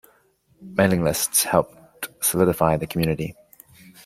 Mailing lists helped solidify the community.